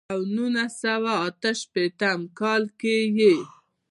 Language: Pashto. او نولس سوه اتۀ شپېتم کال کښې ئې